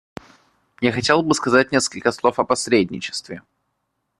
Я хотел бы сказать несколько слов о посредничестве.